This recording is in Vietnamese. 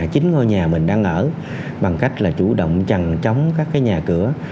chính ngôi nhà mình đang ở bằng cách là chủ động chằn chóng các nhà cửa